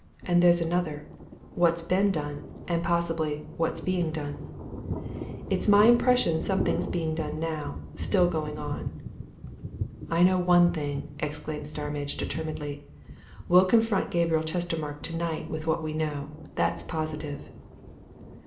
And there's another what's been done and possibly, what's being done? It's my impression something's being done now still going on!" "I know one thing!" exclaimed Starmidge determinedly. "We'll confront Gabriel Chestermarke tonight with what we know. That's positive!"